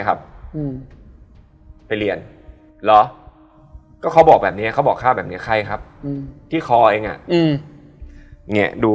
ที่เขาบอกว่าเป็นประตู